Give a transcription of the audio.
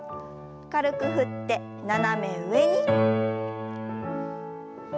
軽く振って斜め上に。